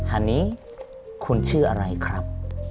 อันนี้คุณชื่ออะไรครับ